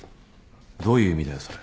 どういう意味だよ？